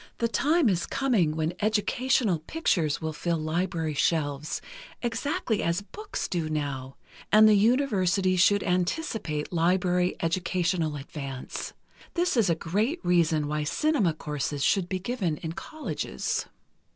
"The time is coming when educational pictures will fill library shelves, exactly as books do now, and the universities should anticipate library educational advance. This is a great reason why cinema courses should be given in colleges."